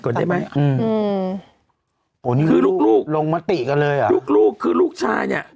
ได้ไหมอืมโอ้นี่คือลูกลูกลงมติกันเลยอ่ะลูกลูกคือลูกชายเนี้ย